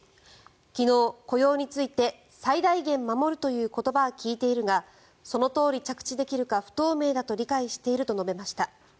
昨日、雇用について最大限守るという言葉は聞いているがそのとおり着地できるか不透明だと理解していると述べました。